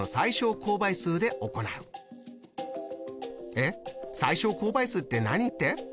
えっ「最小公倍数って何」って？